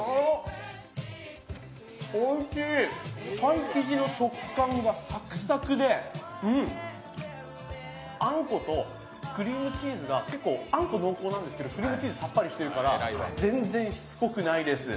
おいしい、パン生地の食感がサクッサクであんことクリームチーズが結構あんこ濃厚なんですけどクリームチーズ、さっぱりしてるから全然しつこくないです。